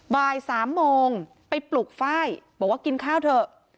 บ่าย๓โมงไปปลุกฝ้ายบอกว่ากินข้าวเถอะ